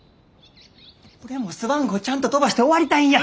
俺もスワン号ちゃんと飛ばして終わりたいんや。